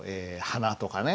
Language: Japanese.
花とかね。